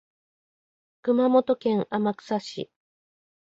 熊本県天草市